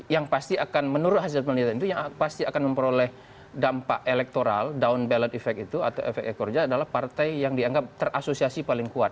yang pasti akan menurut hasil penelitian itu yang pasti akan memperoleh dampak elektoral down ballot efek itu atau efek ekornya adalah partai yang dianggap terasosiasi paling kuat